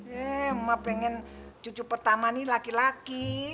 eh mama pengen cucu pertama ini laki laki